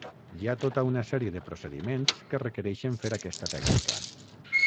Hi ha tota una sèrie de procediments que requereixen fer aquesta tècnica.